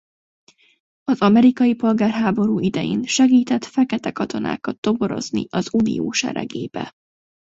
Az amerikai polgárháború idején segített fekete katonákat toborozni az Unió seregébe.